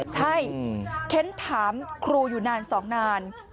ใช่เค้นถามครูอยู่นาน๒นาน